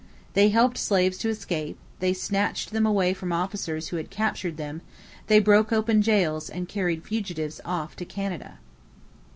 They helped slaves to escape; they snatched them away from officers who had captured them; they broke open jails and carried fugitives off to Canada.